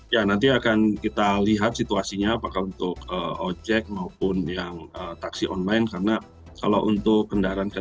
ya nanti akan kita lihat situasinya apakah untuk ojek maupun yang taksi online